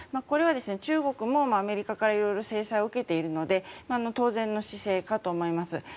これは中国もアメリカから色々制裁を受けているので当然の姿勢かと思います。